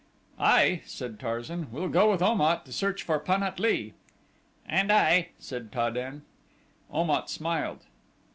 "I," said Tarzan, "will go with Om at to search for Pan at lee." "And I," said Ta den. Om at smiled.